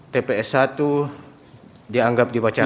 tps satu dianggap dibacakan